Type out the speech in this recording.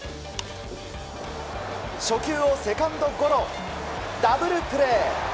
初球をセカンドゴロダブルプレー。